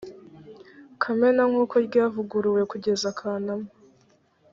kamena nkuko ryavuguruwe kugeza kanama